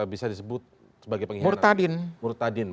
bisa disebut sebagai pengkhianatan